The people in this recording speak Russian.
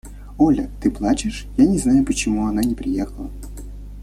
Оля, ты плачешь? – Я не знаю, почему она не приехала.